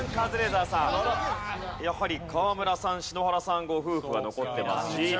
やはり河村さん篠原さんご夫婦は残ってますし。